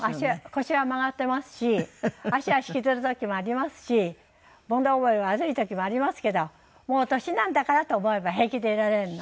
腰は曲がってますし足は引きずる時もありますし物覚え悪い時もありますけどもう年なんだからと思えば平気でいられるの。